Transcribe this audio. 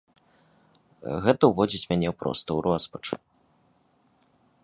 Гэта ўводзіць мяне проста ў роспач.